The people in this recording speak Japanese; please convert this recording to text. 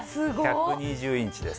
１２０インチです